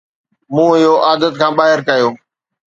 مون اهو عادت کان ٻاهر ڪيو